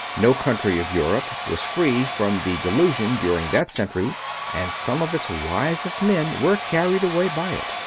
No country of Europe was free from the delusion during that century, and some of its wisest men were carried away by it.